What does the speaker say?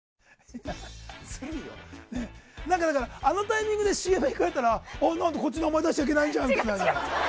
あのタイミングでＣＭに行くんだったらこっちの名前出しちゃいけないんじゃん？って違う。